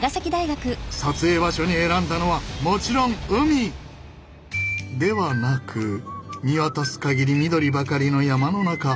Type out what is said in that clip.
撮影場所に選んだのはもちろん海！ではなく見渡す限り緑ばかりの山の中。